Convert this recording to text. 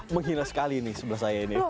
menghina sekali nih sebelah saya ini